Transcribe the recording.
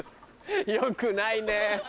よくないね。